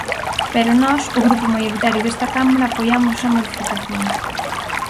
Pero nós, o grupo maioritario desta Cámara, apoiamos esa modificación.